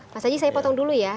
mas haji saya potong dulu ya